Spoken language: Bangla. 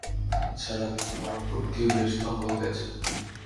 আজ সারাদিন তোমার উপর দিয়ে বেশ ধকল গেছে।